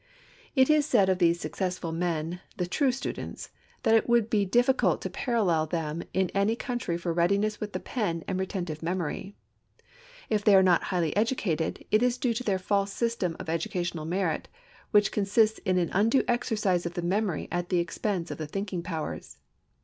It is said of these successful men, the true students, that it would be difficult to parallel them in any country for readiness with the pen and retentive memory. If they are not highly educated, it is due to their false system of educational merit, which consists in an undue exercise of the memory at the expense of the thinking powers.